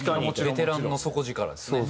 ベテランの底力ですね。